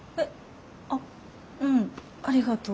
あうんありがとう。